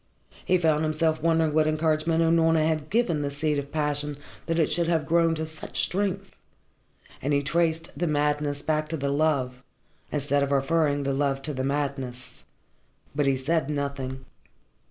He found himself wondering what encouragement Unorna had given the seed of passion that it should have grown to such strength, and he traced the madness back to the love, instead of referring the love to the madness. But he said nothing.